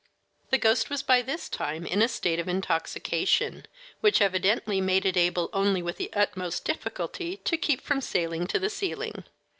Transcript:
The ghost was by this time in a state of intoxication which evidently made it able only with the utmost difficulty to keep from sailing to the ceiling.